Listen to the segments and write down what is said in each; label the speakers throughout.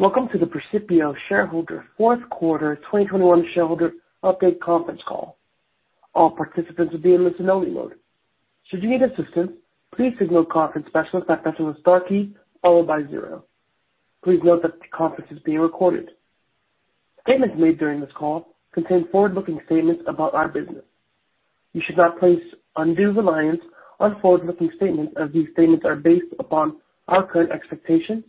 Speaker 1: Welcome to the Precipio shareholder fourth quarter 2021 shareholder update conference call. All participants will be in listen only mode. Should you need assistance, please signal a conference specialist by pressing the star key followed by zero. Please note that the conference is being recorded. Statements made during this call contain forward-looking statements about our business. You should not place undue reliance on forward-looking statements, as these statements are based upon our current expectations,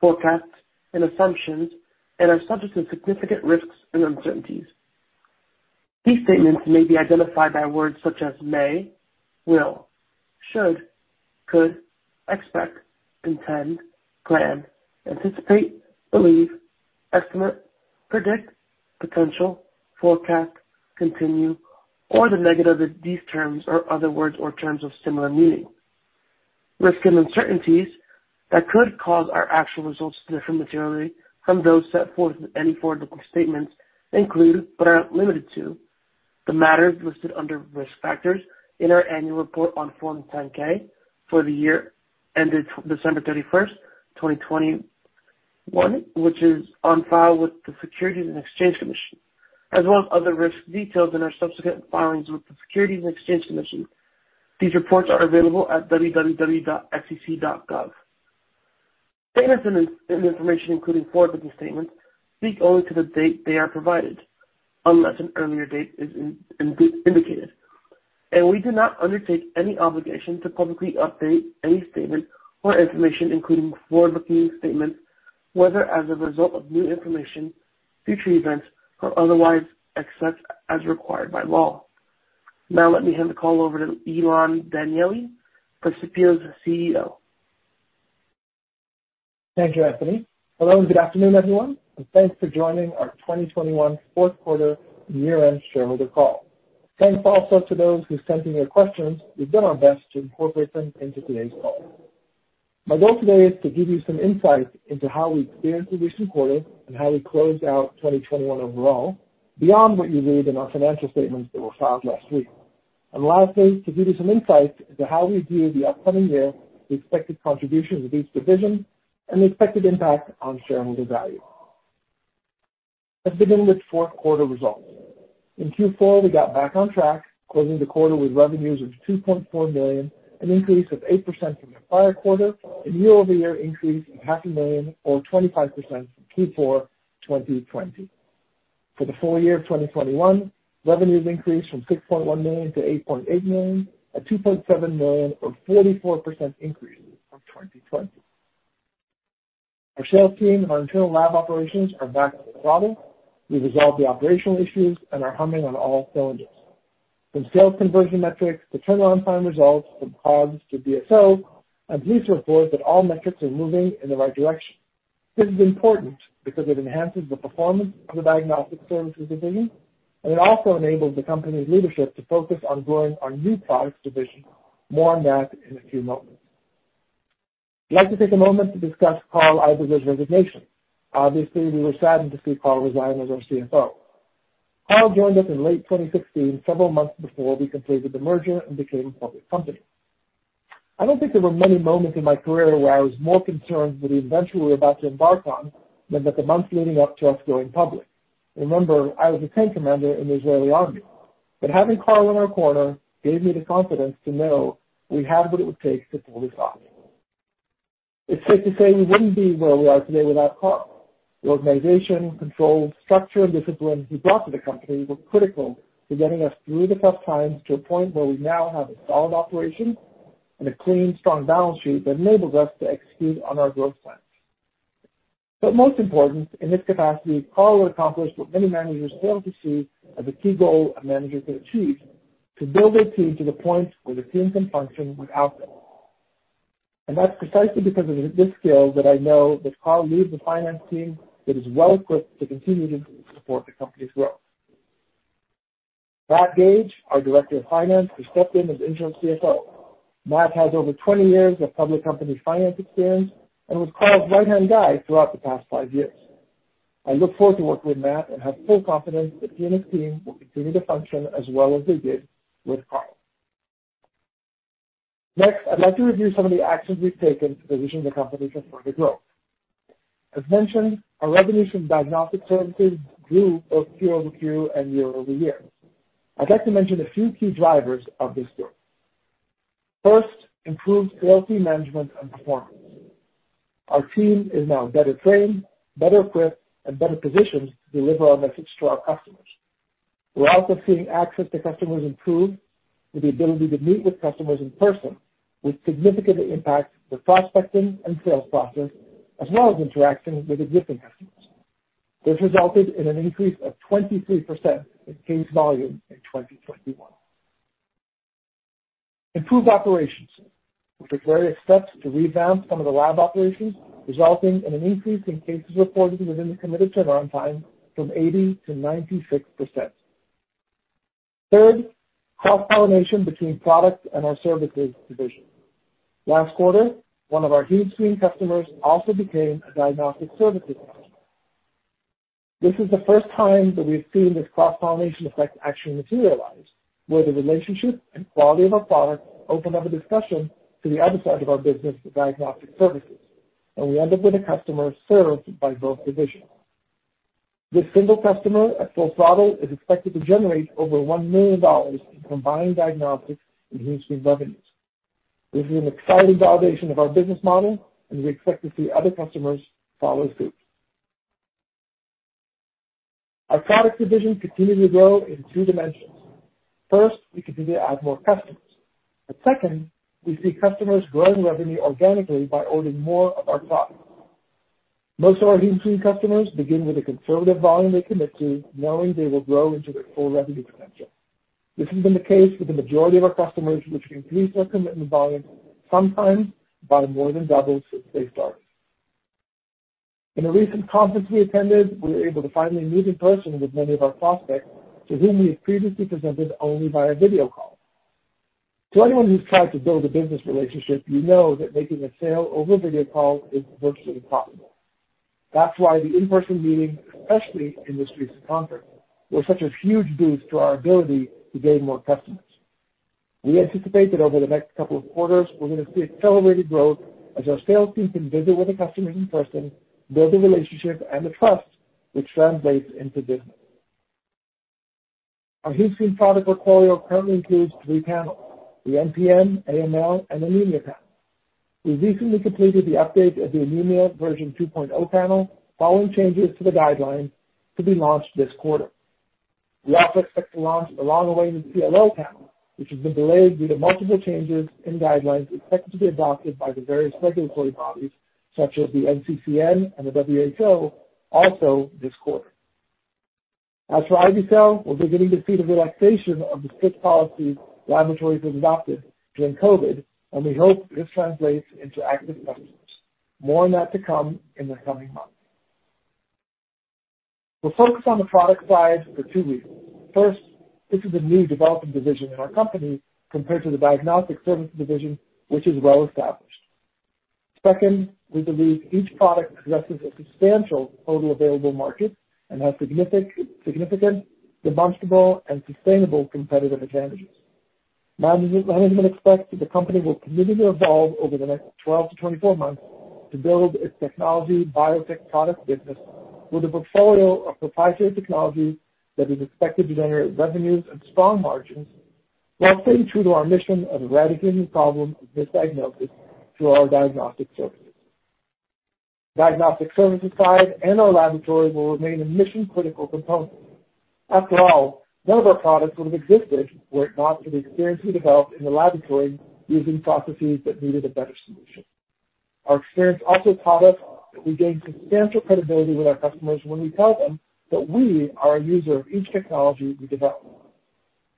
Speaker 1: forecasts and assumptions and are subject to significant risks and uncertainties. These statements may be identified by words such as may, will, should, could, expect, intend, plan, anticipate, believe, estimate, predict, potential, forecast, continue, or the negative of these terms, or other words or terms of similar meaning. Risks and uncertainties that could cause our actual results to differ materially from those set forth in any forward-looking statements include, but are not limited to, the matters listed under Risk Factors in our annual report on Form 10-K for the year ended December 31st, 2021, which is on file with the Securities and Exchange Commission, as well as other risks detailed in our subsequent filings with the Securities and Exchange Commission. These reports are available at www.sec.gov. Data and information, including forward-looking statements, speak only to the date they are provided, unless an earlier date is indicated, and we do not undertake any obligation to publicly update any statement or information, including forward-looking statements, whether as a result of new information, future events or otherwise, except as required by law. Now let me hand the call over to Ilan Danieli, Precipio's CEO.
Speaker 2: Thank you, Anthony. Hello and good afternoon, everyone, and thanks for joining our 2021 fourth quarter year-end shareholder call. Thanks also to those who sent in your questions. We've done our best to incorporate them into today's call. My goal today is to give you some insight into how we fared through this quarter and how we closed out 2021 overall, beyond what you read in our financial statements that were filed last week. Lastly, to give you some insight into how we view the upcoming year, the expected contributions of each division, and the expected impact on shareholder value. Let's begin with fourth quarter results. In Q4, we got back on track, closing the quarter with revenues of $2.4 million, an increase of 8% from the prior quarter, a year-over-year increase of $500,000 or 25% from Q4 2020. For the full year of 2021, revenues increased from $6.1 million-$8.8 million, a $2.7 million or 44% increase from 2020. Our sales team and our internal lab operations are back at the product. We resolved the operational issues and are humming on all cylinders. From sales conversion metrics to turnaround time results from COGS to DSO, I'm pleased to report that all metrics are moving in the right direction. This is important because it enhances the performance of the Diagnostic Services Division, and it also enables the company's leadership to focus on growing our new Products Division. More on that in a few moments. I'd like to take a moment to discuss Carl Iberger's resignation. Obviously, we were saddened to see Carl resign as our CFO. Carl joined us in late 2016, several months before we completed the merger and became a public company. I don't think there were many moments in my career where I was more concerned with the adventure we were about to embark on than with the months leading up to us going public. Remember, I was a tank commander in the Israeli army. Having Carl in our corner gave me the confidence to know we have what it would take to pull this off. It's safe to say we wouldn't be where we are today without Carl. The organization, control, structure, and discipline he brought to the company were critical to getting us through the tough times to a point where we now have a solid operation and a clean, strong balance sheet that enables us to execute on our growth plans. Most important, in this capacity, Carl accomplished what many managers fail to see as a key goal a manager can achieve, to build a team to the point where the team can function without them. That's precisely because of this skill that I know that Carl leaves the finance team that is well-equipped to continue to support the company's growth. Matt Gage, our director of finance, has stepped in as interim CFO. Matt has over 20 years of public company finance experience and was Carl's right-hand guy throughout the past 5 years. I look forward to working with Matt and have full confidence that he and his team will continue to function as well as they did with Carl. Next, I'd like to review some of the actions we've taken to position the company for further growth. As mentioned, our revenue from diagnostic services grew both Q-over-Q and year-over-year. I'd like to mention a few key drivers of this growth. First, improved sales team management and performance. Our team is now better trained, better equipped, and better positioned to deliver our message to our customers. We're also seeing access to customers improve with the ability to meet with customers in person, which significantly impacts the prospecting and sales process, as well as interacting with existing customers. This resulted in an increase of 23% in case volume in 2021. Improved operations, with the various steps to revamp some of the lab operations resulting in an increase in cases reported within the committed turnaround time from 80%-96%. Third, cross-pollination between products and our services division. Last quarter, one of our HemeScreen customers also became a Diagnostic Services customer. This is the first time that we've seen this cross-pollination effect actually materialize, where the relationship and quality of our products open up a discussion to the other side of our business, the Diagnostic Services, and we end up with a customer served by both divisions. This single customer at full throttle is expected to generate over $1 million in combined diagnostic and HemeScreen revenues. This is an exciting validation of our business model, and we expect to see other customers follow suit. Our Products Division continued to grow in two dimensions. First, we continue to add more customers, but second, we see customers growing revenue organically by ordering more of our products. Most of our HemeScreen customers begin with a conservative volume they commit to, knowing they will grow into their full revenue potential. This has been the case with the majority of our customers, which increased our commitment volume sometimes by more than double since they started. In a recent conference we attended, we were able to finally meet in person with many of our prospects to whom we had previously presented only via video call. To anyone who's tried to build a business relationship, you know that making a sale over a video call is virtually impossible. That's why the in-person meeting, especially in this recent conference, was such a huge boost to our ability to gain more customers. We anticipate that over the next couple of quarters, we're gonna see accelerated growth as our sales team can visit with the customers in person, build a relationship and the trust which translates into business. Our HemeScreen product portfolio currently includes three panels: the NPM1, AML, and Anemia Panel. We recently completed the update of the Anemia version 2.0 Panel following changes to the guidelines to be launched this quarter. We also expect to launch the long-awaited TLO panel, which has been delayed due to multiple changes in guidelines expected to be adopted by the various regulatory bodies such as the NCCN and the WHO also this quarter. As for IV-Cell, we're beginning to see the relaxation of the strict policies laboratories have adopted during COVID, and we hope this translates into active customers. More on that to come in the coming months. We'll focus on the product side for two reasons. First, this is a new developing division in our company compared to the Diagnostic Services Division, which is well established. Second, we believe each product addresses a substantial total available market and has significant, demonstrable, and sustainable competitive advantages. Management expects that the company will continue to evolve over the next 12-24 months to build its technology biotech product business with a portfolio of proprietary technologies that is expected to generate revenues and strong margins while staying true to our mission of eradicating the problem of misdiagnosis through our diagnostic services. The Diagnostic Services side and our laboratory will remain a mission-critical component. After all, none of our products would have existed were it not for the experience we developed in the laboratory using processes that needed a better solution. Our experience also taught us that we gain substantial credibility with our customers when we tell them that we are a user of each technology we develop.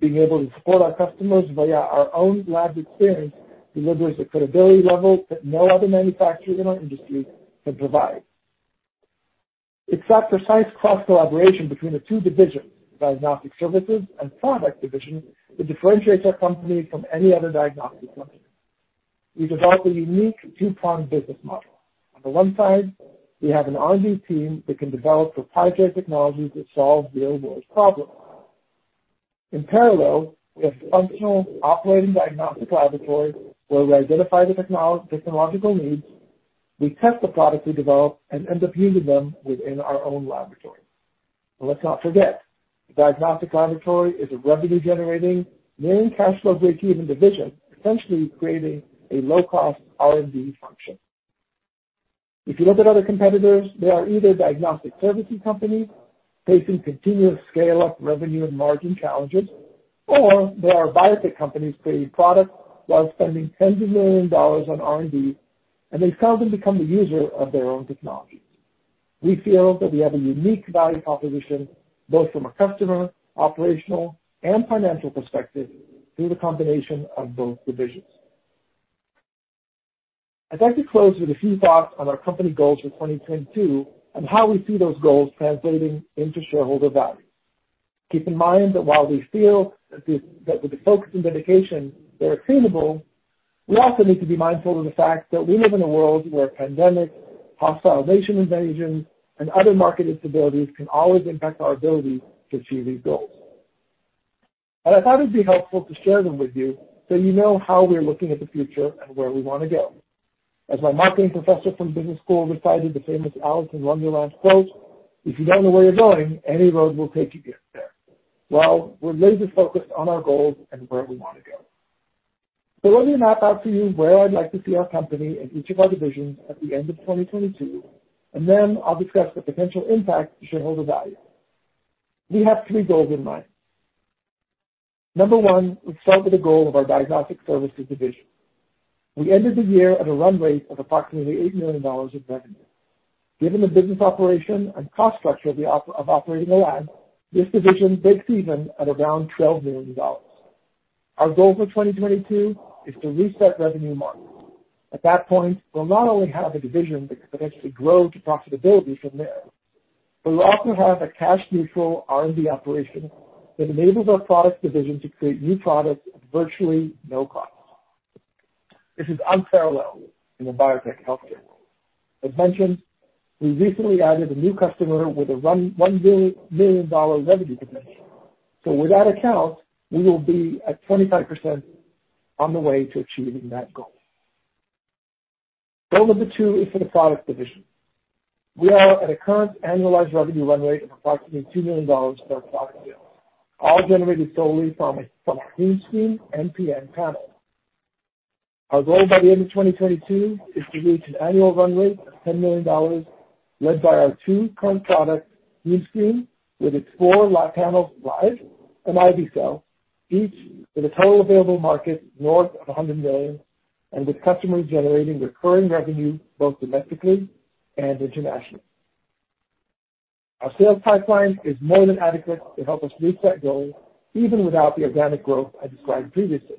Speaker 2: Being able to support our customers via our own lab experience delivers a credibility level that no other manufacturer in our industry can provide. It's that precise cross-collaboration between the two divisions, Diagnostic Services and Products Division, that differentiates our company from any other diagnostic company. We developed a unique two-pronged business model. On the one side, we have an R&D team that can develop proprietary technologies that solve the real world's problems. In parallel, we have a fully operational diagnostic laboratory where we identify the technological needs. We test the products we develop and end up using them within our own laboratory. Let's not forget, the diagnostic laboratory is a revenue-generating, million cash flow break-even division, essentially creating a low-cost R&D function. If you look at other competitors, they are either diagnostic services companies facing continuous scale-up revenue and margin challenges, or they are biotech companies creating products while spending tens of millions of dollars on R&D, and they seldom become the user of their own technologies. We feel that we have a unique value proposition both from a customer, operational, and financial perspective through the combination of both divisions. I'd like to close with a few thoughts on our company goals for 2022 and how we see those goals translating into shareholder value. Keep in mind that while we feel that with the focus and dedication, they're attainable, we also need to be mindful of the fact that we live in a world where pandemics, hostile nation invasions, and other market instabilities can always impact our ability to achieve these goals. I thought it'd be helpful to share them with you so you know how we're looking at the future and where we wanna go. As my marketing professor from business school recited the famous Alice in Wonderland quote, "If you don't know where you're going, any road will take you there." Well, we're laser-focused on our goals and where we wanna go. Let me map out for you where I'd like to see our company in each of our divisions at the end of 2022, and then I'll discuss the potential impact to shareholder value. We have three goals in mind. Number one, let's start with the goal of our Diagnostic Services Division. We ended the year at a run rate of approximately $8 million of revenue. Given the business operation and cost structure of operating a lab, this division breaks even at around $12 million. Our goal for 2022 is to reset revenue marks. At that point, we'll not only have a division that could potentially grow to profitability from there, but we'll also have a cash neutral R&D operation that enables our Products Division to create new products at virtually no cost. This is unparalleled in the biotech healthcare world. As mentioned, we recently added a new customer with a $1 million revenue potential. With that account, we will be at 25% on the way to achieving that goal. Goal number two is for the Products Division. We are at a current annualized revenue run rate of approximately $2 million per product sale, all generated solely from our HemeScreen NPM1 panel. Our goal by the end of 2022 is to reach an annual run rate of $10 million led by our two current products, HemeScreen, with its four lab panels live, and IV-Cell, each with a total available market north of $100 million, and with customers generating recurring revenue both domestically and internationally. Our sales pipeline is more than adequate to help us reach that goal, even without the organic growth I described previously.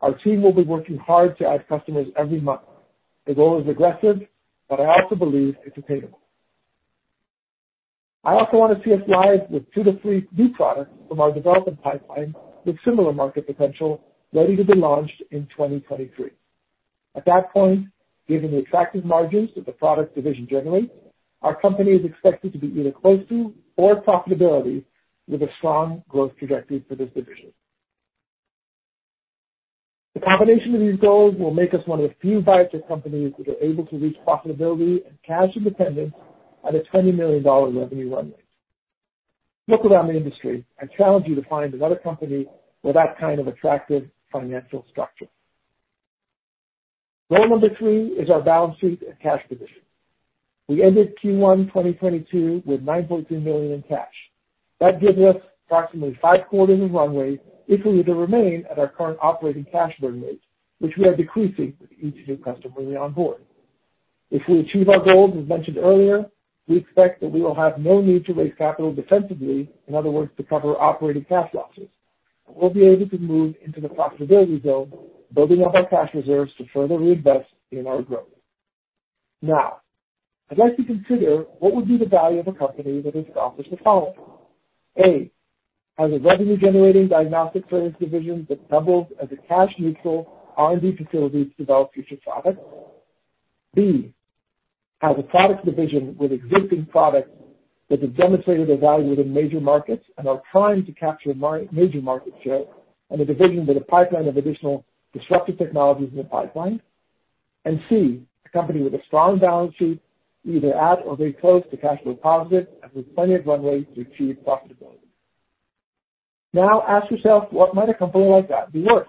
Speaker 2: Our team will be working hard to add customers every month. The goal is aggressive, but I also believe it's attainable. I also wanna see us live with two to three new products from our development pipeline with similar market potential ready to be launched in 2023. At that point, given the attractive margins that the Products Division generates, our company is expected to be either close to or at profitability with a strong growth trajectory for this division. The combination of these goals will make us one of the few biotech companies that are able to reach profitability and cash independence at a $20 million revenue run rate. Look around the industry. I challenge you to find another company with that kind of attractive financial structure. Goal number three is our balance sheet and cash position. We ended Q1 2022 with $9.3 million in cash. That gives us approximately 5 quarters of runway if we were to remain at our current operating cash burn rate, which we are decreasing with each new customer we onboard. If we achieve our goals, as mentioned earlier, we expect that we will have no need to raise capital defensively, in other words, to cover operating cash losses. We'll be able to move into the profitability zone, building up our cash reserves to further reinvest in our growth. Now, I'd like to consider what would be the value of a company that offers the following. A, has a revenue-generating Diagnostic Services Division that doubles as a cash-neutral R&D facility to develop future products. B, has a Products Division with existing products that have demonstrated their value in the major markets and are trying to capture major market share and a division with a pipeline of additional disruptive technologies in the pipeline. C, a company with a strong balance sheet, either at or very close to cash flow positive and with plenty of runway to achieve profitability. Now ask yourself, what might a company like that be worth?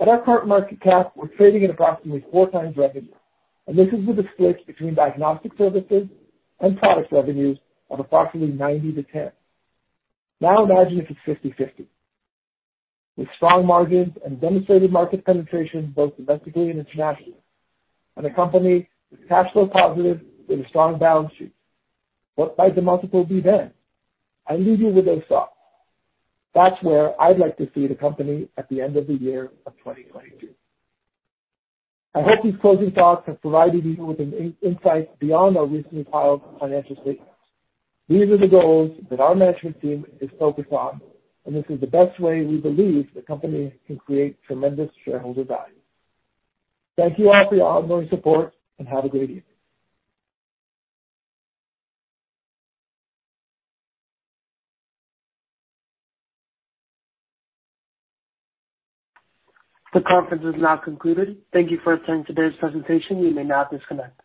Speaker 2: At our current market cap, we're trading at approximately 4x revenue, and this is with a split between diagnostic services and product revenues of approximately 90/10. Now imagine if it's 50/50. With strong margins and demonstrated market penetration both domestically and internationally, and a company that's cash flow positive with a strong balance sheet. What might the multiple be then? I leave you with those thoughts. That's where I'd like to see the company at the end of the year of 2022. I hope these closing thoughts have provided you with an insight beyond our recently filed financial statements. These are the goals that our management team is focused on, and this is the best way we believe the company can create tremendous shareholder value. Thank you all for your ongoing support, and have a great evening.
Speaker 1: The conference has now concluded. Thank you for attending today's presentation. You may now disconnect.